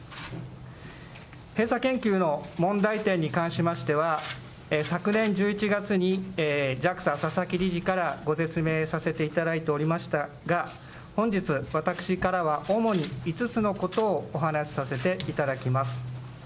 閉鎖研究の問題点に関しましては、昨年１１月にＪＡＸＡ、佐々木理事からご説明させていただいておりましたが、本日、私からは主に５つのことをお話しさせていただきます。